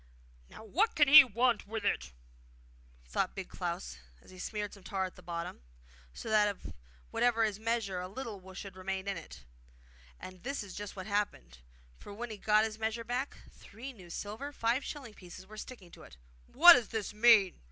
'Now what can he want with it?' thought Big Klaus; and he smeared some tar at the bottom, so that of whatever was measured a little should remain in it. And this is just what happened; for when he got his measure back, three new silver five shilling pieces were sticking to it. What does this mean?